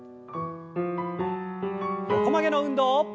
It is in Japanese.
横曲げの運動。